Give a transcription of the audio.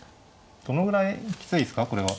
どのぐらいきついですかこれは。